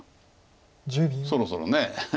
そろそろね。